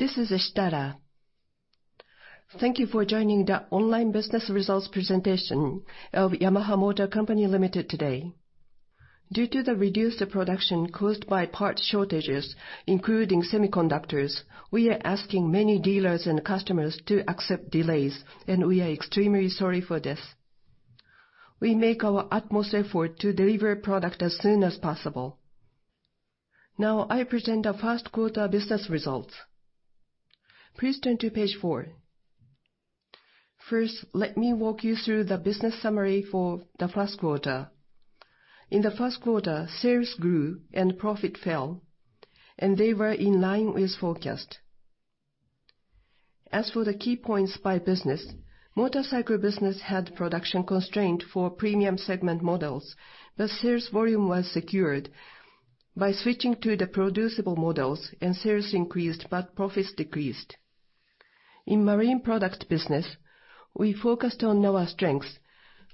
This is Motofumi Shitara. Thank you for joining the online business results presentation of Yamaha Motor Co., Ltd. today. Due to the reduced production caused by part shortages, including semiconductors, we are asking many dealers and customers to accept delays, and we are extremely sorry for this. We make our utmost effort to deliver product as soon as possible. Now I present the first quarter business results. Please turn to page four. First, let me walk you through the business summary for the first quarter. In the first quarter, sales grew and profit fell, and they were in line with forecast. As for the key points by business, motorcycle business had production constraint for premium segment models, but sales volume was secured by switching to the producible models and sales increased, but profits decreased. In marine product business, we focused on our strengths,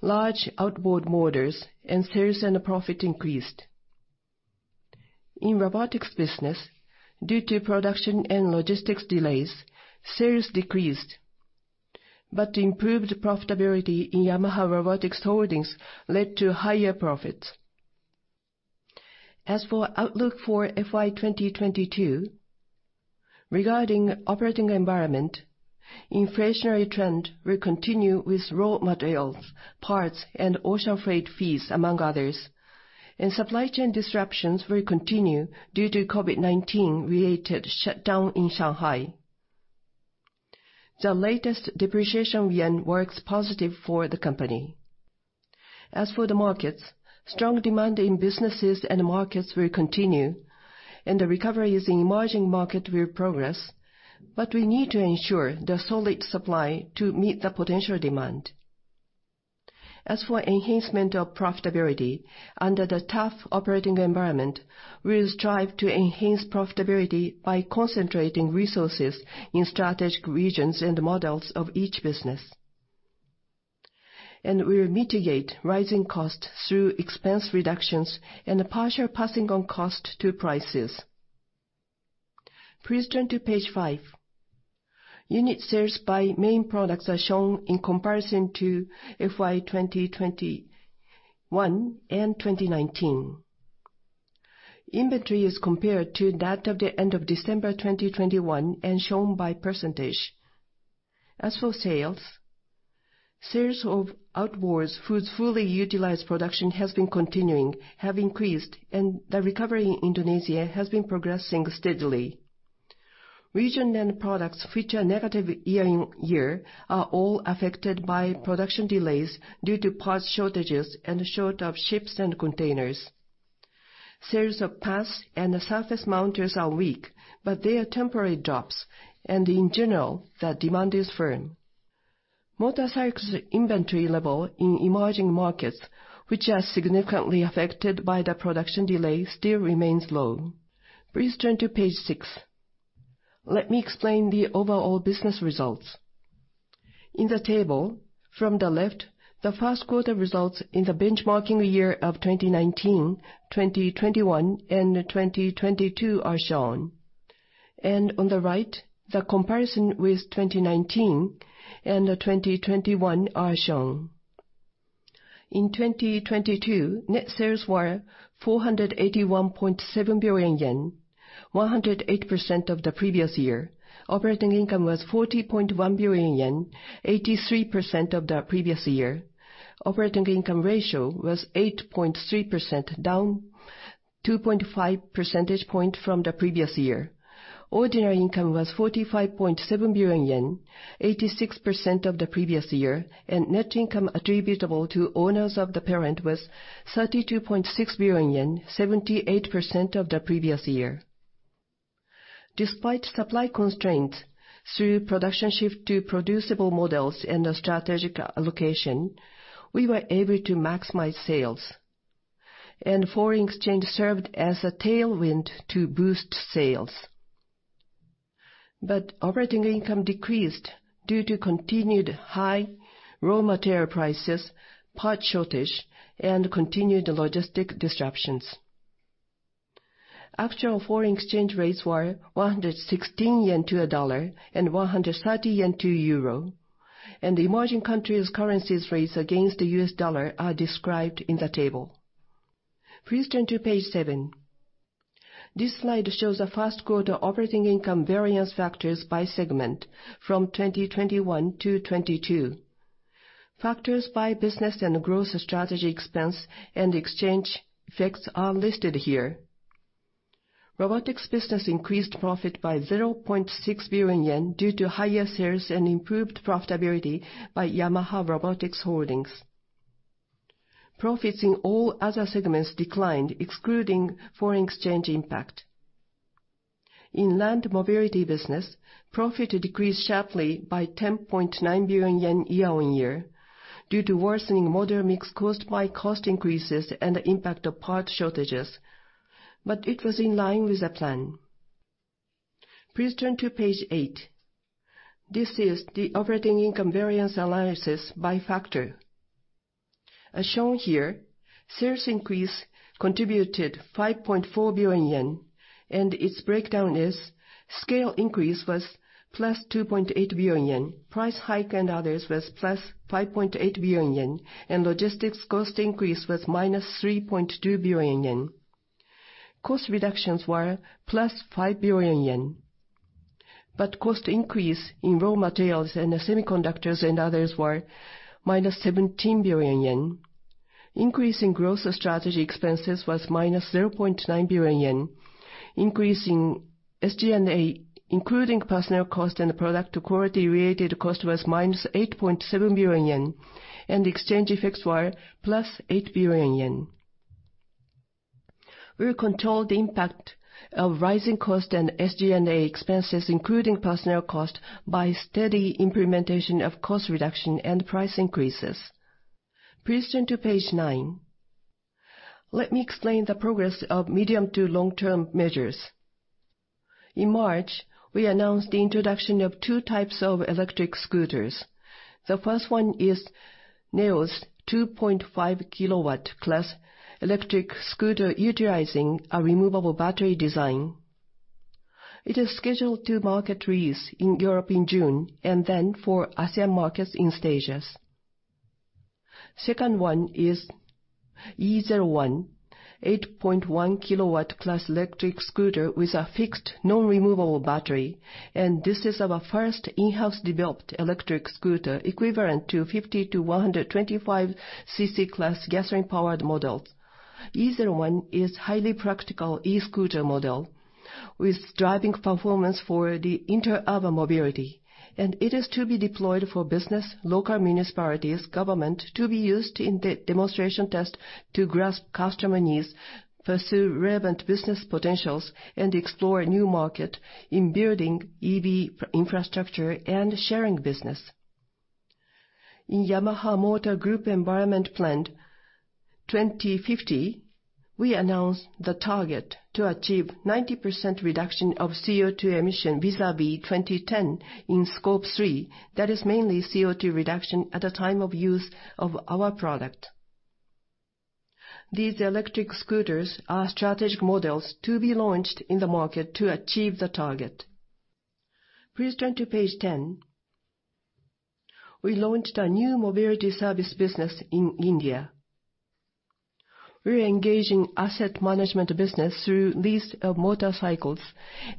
large outboard motors, and sales and profit increased. In robotics business, due to production and logistics delays, sales decreased, but improved profitability in Yamaha Robotics Holdings led to higher profits. As for outlook for FY 2022, regarding operating environment, inflationary trend will continue with raw materials, parts, and ocean freight fees, among others, and supply chain disruptions will continue due to COVID-19 related shutdown in Shanghai. The latest yen depreciation works positive for the company. As for the markets, strong demand in businesses and markets will continue, and the recovery in emerging markets will progress, but we need to ensure the solid supply to meet the potential demand. As for enhancement of profitability, under the tough operating environment, we'll strive to enhance profitability by concentrating resources in strategic regions and models of each business. We'll mitigate rising costs through expense reductions and partial passing on costs to prices. Please turn to page five. Unit sales by main products are shown in comparison to FY 2021 and 2019. Inventory is compared to that of the end of December 2021 and shown by percentage. As for sales of outboards whose fully utilized production has been continuing have increased, and the recovery in Indonesia has been progressing steadily. Regions and products which are negative year-on-year are all affected by production delays due to parts shortages and shortage of ships and containers. Sales of PAS and surface mounters are weak, but they are temporary drops, and in general, the demand is firm. Motorcycles inventory level in emerging markets, which are significantly affected by the production delay, still remains low. Please turn to page six. Let me explain the overall business results. In the table, from the left, the first quarter results in the benchmark years of 2019, 2021, and 2022 are shown. On the right, the comparison with 2019 and 2021 are shown. In 2022, net sales were 481.7 billion yen, 108% of the previous year. Operating income was 40.1 billion yen, 83% of the previous year. Operating income ratio was 8.3%, down 2.5 percentage points from the previous year. Ordinary income was 45.7 billion yen, 86% of the previous year, and net income attributable to owners of the parent was 32.6 billion yen, 78% of the previous year. Despite supply constraints through production shift to producible models and a strategic allocation, we were able to maximize sales. Foreign exchange served as a tailwind to boost sales. Operating income decreased due to continued high raw material prices, parts shortage, and continued logistics disruptions. Actual foreign exchange rates were 116 yen to a dollar and 130 yen to euro, and emerging countries currencies rates against the U.S. dollar are described in the table. Please turn to page seven. This slide shows a first quarter operating income variance factors by segment from 2021 to 2022. Factors by business and growth strategy expense and exchange effects are listed here. Robotics business increased profit by 0.6 billion yen due to higher sales and improved profitability by Yamaha Robotics Holdings. Profits in all other segments declined, excluding foreign exchange impact. In land mobility business, profit decreased sharply by 10.9 billion yen year-on-year due to worsening model mix caused by cost increases and the impact of parts shortages. It was in line with the plan. Please turn to page eight. This is the operating income variance analysis by factor. As shown here, sales increase contributed +5.4 billion yen, and its breakdown is scale increase was +2.8 billion yen, price hike and others was +5.8 billion yen, and logistics cost increase was -3.2 billion yen. Cost reductions were +5 billion yen. Cost increase in raw materials and semiconductors and others were -17 billion yen. Increase in growth strategy expenses was -0.9 billion yen. Increase in SG&A, including personnel cost and product quality related cost, was -8.7 billion yen, and exchange effects were +8 billion yen. We will control the impact of rising cost and SG&A expenses, including personnel cost, by steady implementation of cost reduction and price increases. Please turn to page nine. Let me explain the progress of medium- to long-term measures. In March, we announced the introduction of two types of electric scooters. The first one is NEO'S, 2.5 kW class electric scooter utilizing a removable battery design. It is scheduled to market release in Europe in June and then for ASEAN markets in stages. Second one is E01, 8.1 kW class electric scooter with a fixed non-removable battery, and this is our first in-house developed electric scooter equivalent to 50-125 cc class gasoline powered models. E01 is highly practical e-scooter model with driving performance for the inter-urban mobility, and it is to be deployed for business, local municipalities, government, to be used in demonstration test to grasp customer needs, pursue relevant business potentials, and explore new market in building EV infrastructure and sharing business. In Yamaha Motor Group Environmental Plan 2050, we announced the target to achieve 90% reduction of CO2 emission vis-a-vis 2010 in Scope three. That is mainly CO2 reduction at the time of use of our product. These electric scooters are strategic models to be launched in the market to achieve the target. Please turn to page 10. We launched a new mobility service business in India. We're engaging asset management business through lease of motorcycles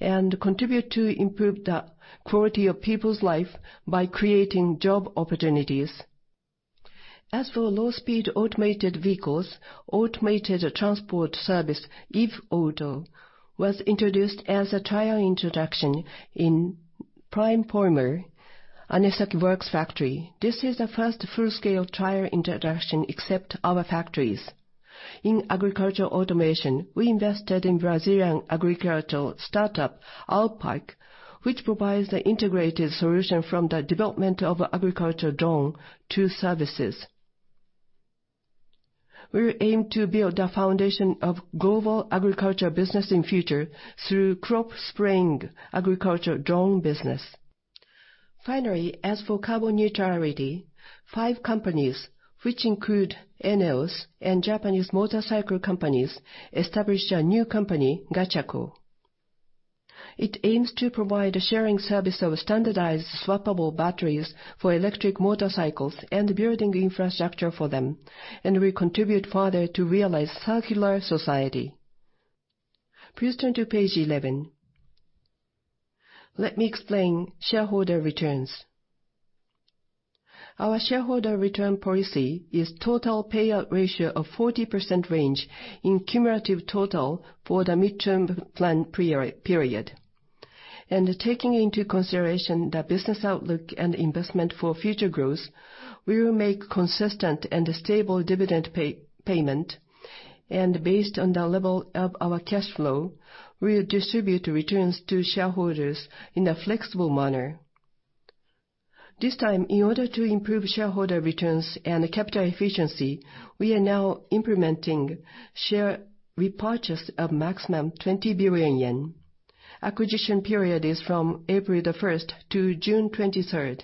and contribute to improve the quality of people's life by creating job opportunities. As for low-speed automated vehicles, automated transport service, eve auto, was introduced as a trial introduction in Prime Polymer and Anesaki Works factory. This is the first full-scale trial introduction except our factories. In agricultural automation, we invested in Brazilian agricultural startup, ARPAC, which provides the integrated solution from the development of agriculture drone to services. We will aim to build a foundation of global agriculture business in future through crop spraying agriculture drone business. Finally, as for carbon neutrality, five companies, which include ENEOS and Japanese motorcycle companies, established a new company, Gachaco. It aims to provide a sharing service of standardized swappable batteries for electric motorcycles and building infrastructure for them, and will contribute further to realize circular society. Please turn to page 11. Let me explain shareholder returns. Our shareholder return policy is total payout ratio of 40% range in cumulative total for the midterm plan period. Taking into consideration the business outlook and investment for future growth, we will make consistent and stable dividend payment. Based on the level of our cash flow, we'll distribute returns to shareholders in a flexible manner. This time, in order to improve shareholder returns and capital efficiency, we are now implementing share repurchase of maximum 20 billion yen. Acquisition period is from April 1 to June 23.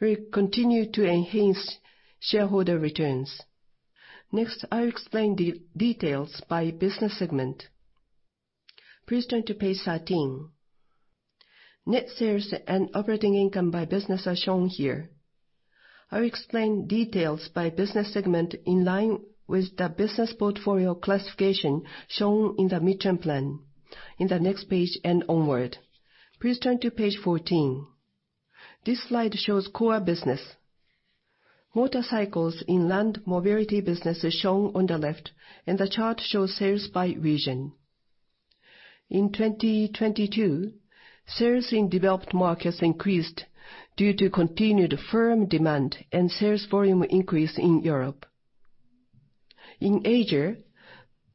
We'll continue to enhance shareholder returns. Next, I'll explain details by business segment. Please turn to page 13. Net sales and operating income by business are shown here. I'll explain details by business segment in line with the business portfolio classification shown in the midterm plan in the next page and onward. Please turn to page 14. This slide shows core business. Motorcycles in land mobility business is shown on the left, and the chart shows sales by region. In 2022, sales in developed markets increased due to continued firm demand and sales volume increase in Europe. In Asia,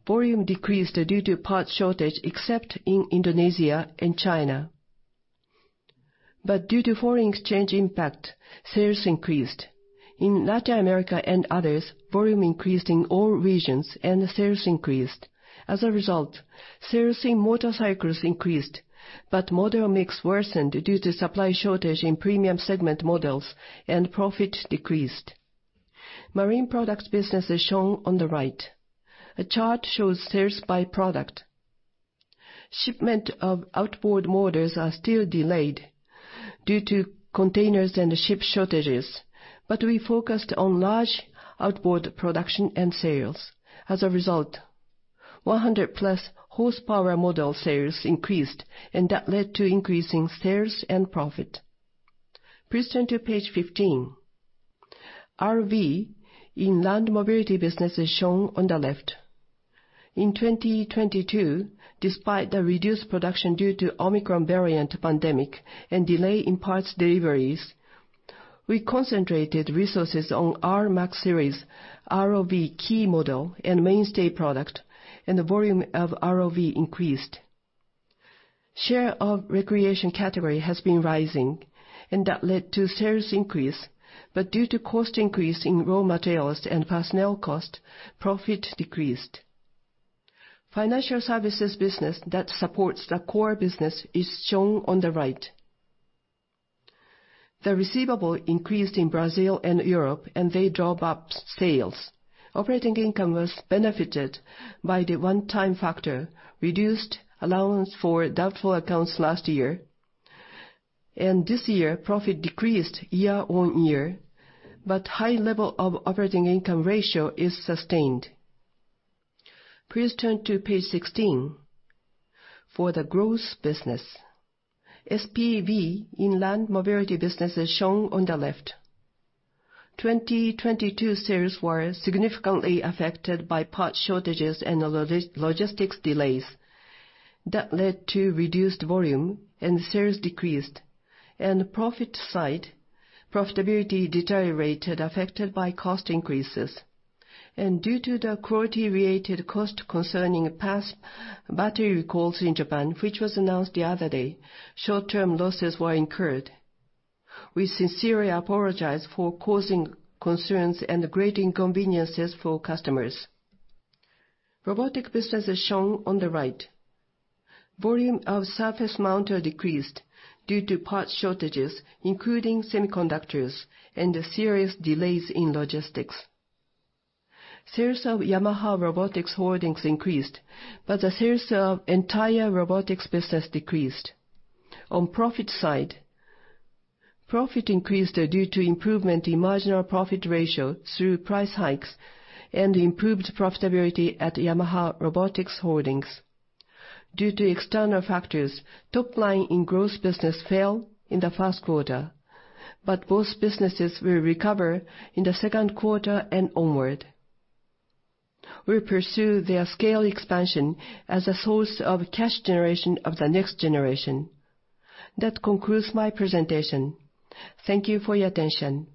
volume decreased due to parts shortage, except in Indonesia and China. Due to foreign exchange impact, sales increased. In Latin America and others, volume increased in all regions and the sales increased. As a result, sales in motorcycles increased, but model mix worsened due to supply shortage in premium segment models and profit decreased. Marine products business is shown on the right. A chart shows sales by product. Shipment of outboard motors are still delayed due to containers and ship shortages, but we focused on large outboard production and sales. As a result, 100+ horsepower model sales increased, and that led to increasing sales and profit. Please turn to page 15. ROV in land mobility business is shown on the left. In 2022, despite the reduced production due to Omicron variant pandemic and delay in parts deliveries, we concentrated resources on RMAX series, ROV key model and mainstay product, and the volume of ROV increased. Share of recreation category has been rising, and that led to sales increase. Due to cost increase in raw materials and personnel cost, profit decreased. Financial services business that supports the core business is shown on the right. The receivable increased in Brazil and Europe, and they drove up sales. Operating income was benefited by the one-time factor, reduced allowance for doubtful accounts last year. This year, profit decreased year-on-year, but high level of operating income ratio is sustained. Please turn to page 16 for the growth business. SPV in land mobility business is shown on the left. 2022 sales were significantly affected by parts shortages and logistics delays. That led to reduced volume and sales decreased. Profit side, profitability deteriorated, affected by cost increases. Due to the quality-related cost concerning past battery recalls in Japan, which was announced the other day, short-term losses were incurred. We sincerely apologize for causing concerns and great inconveniences for customers. Robotic business is shown on the right. Volume of surface mounter decreased due to parts shortages, including semiconductors, and the serious delays in logistics. Sales of Yamaha Robotics Holdings increased, but the sales of entire robotics business decreased. On profit side, profit increased due to improvement in marginal profit ratio through price hikes and improved profitability at Yamaha Robotics Holdings. Due to external factors, top line in growth business fell in the first quarter, but both businesses will recover in the second quarter and onward. We pursue their scale expansion as a source of cash generation of the next generation. That concludes my presentation. Thank you for your attention.